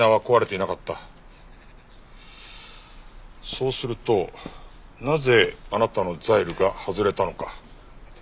そうするとなぜあなたのザイルが外れたのか。